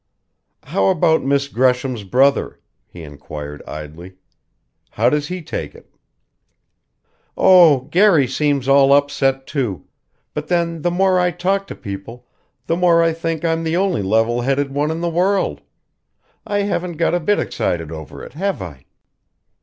"How about Miss Gresham's brother?" he inquired idly. "How does he take it?" "Oh, Garry seems all upset, too; but then the more I talk to people, the more I think I'm the only level headed one in the world. I haven't got a bit excited over it, have I?"